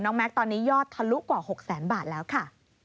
แม็กซ์ตอนนี้ยอดทะลุกว่า๖แสนบาทแล้วค่ะ